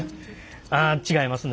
あ違いますね。